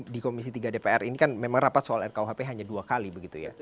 di komisi tiga dpr ini kan memang rapat soal rkuhp hanya dua kali begitu ya